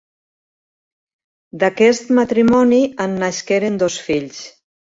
D'aquest matrimoni en nasqueren dos fills.